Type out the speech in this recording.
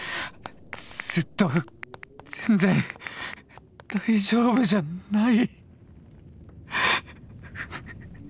ずっと全然大丈夫じゃない！